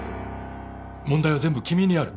問題は全部君にある。